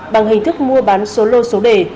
bằng hình thức mua bán số lô số đề